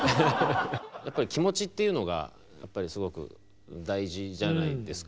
やっぱり気持ちっていうのがすごく大事じゃないですか。